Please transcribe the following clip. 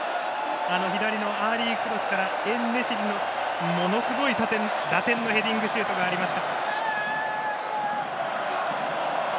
左のアーリークロスからエンネシリのものすごい打点のヘディングシュートがありました。